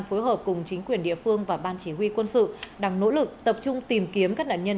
phối hợp cùng chính quyền địa phương và ban chỉ huy quân sự đang nỗ lực tập trung tìm kiếm các nạn nhân